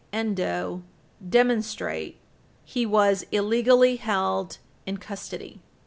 323 U. S. 283) demonstrate, he was illegally held in custody.